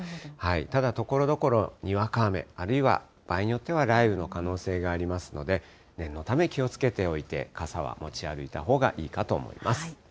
ただところどころにわか雨、あるいは場合によっては雷雨の可能性がありますので、念のため気をつけておいて、傘は持ち歩いたほうがいいかと思います。